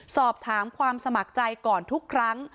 สอบถามความสมัครใจก่อนทุกครั้ง